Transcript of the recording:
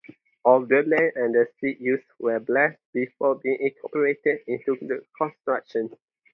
All the land and seeds used were blessed before being incorporated into the construction.